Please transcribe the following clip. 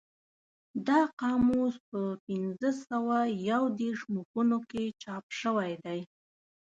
دا قاموس په پینځه سوه یو دېرش مخونو کې چاپ شوی دی.